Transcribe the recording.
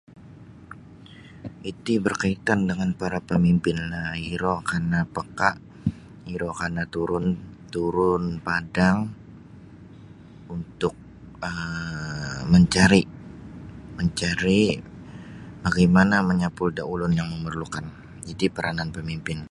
Iti berkaitan dengan para pemimpin iro kana peka iro kana turun turun padang untuk um mencari mencari bagaimana menyapul da ulun yang memerlukan iti peranan pemimpin.